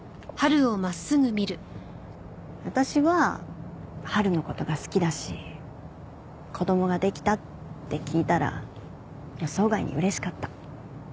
私は春の事が好きだし子供ができたって聞いたら予想外に嬉しかった。